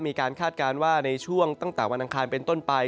คาดการณ์ว่าในช่วงตั้งแต่วันอังคารเป็นต้นไป